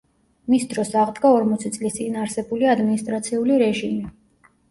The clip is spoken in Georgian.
მის დროს აღდგა ორმოცი წლის წინ არსებული ადმინისტრაციული რეჟიმი.